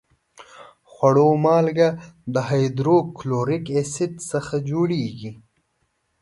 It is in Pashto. د خوړو مالګه د هایدروکلوریک اسید څخه جوړیږي.